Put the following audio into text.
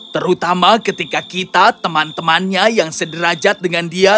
terutama ketika kita teman temannya yang sederajat dengan dia